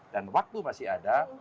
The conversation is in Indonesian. dan waktu masih ada